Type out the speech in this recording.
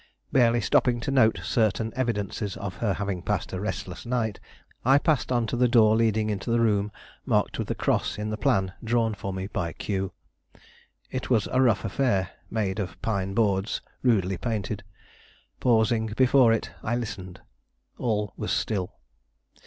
Barely stopping to note certain evidences of her having passed a restless night, I passed on to the door leading into the room marked with a cross in the plan drawn for me by Q. It was a rough affair, made of pine boards rudely painted. Pausing before it, I listened. All was still.